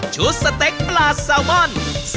๒ชุดสเต็กปลาสาวม่อน